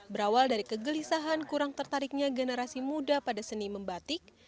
berawal dari kegelisahan kurang tertariknya generasi muda pada seni membatik